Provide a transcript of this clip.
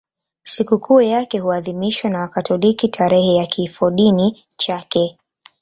Sikukuu yake huadhimishwa na Wakatoliki tarehe ya kifodini chake.